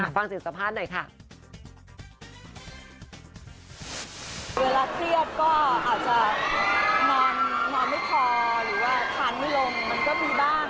เวลาเครียดก็อาจจะนอนไม่พอหรือว่าทานไม่ลงมันก็มีบ้าง